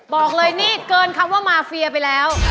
บอกเลยนี่เกินคำว่ามาเฟียไปแล้ว